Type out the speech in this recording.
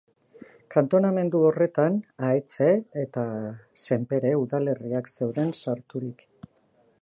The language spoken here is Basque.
Kantonamendu horretan, Ahetze eta Senpere udalerriak zeuden sarturik.